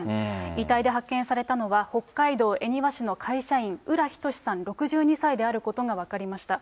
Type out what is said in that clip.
遺体で発見されたのは、北海道恵庭市の会社員、浦仁志さん６２歳であることが分かりました。